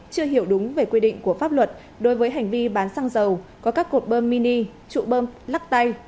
chưa hiểu đúng về quy định của pháp luật đối với hành vi bán xăng dầu có các cột bơm mini trụ bơm lắc tay